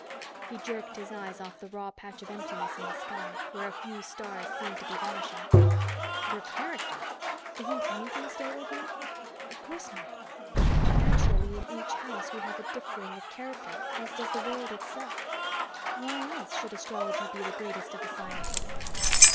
He jerked his eyes off the raw patch of emptiness in the sky, where a few stars seemed to be vanishing. "Your character? Isn't anything stable here?" "Of course not. Naturally, in each House we have a differing of character, as does the world itself. Why else should astrology be the greatest of the sciences?"